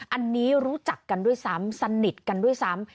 อันนี้รู้จักกันด้วยซ้ำสนิทกันด้วยซ้ำ